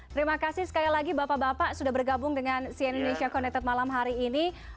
terima kasih sekali lagi bapak bapak sudah bergabung dengan cn indonesia connected malam hari ini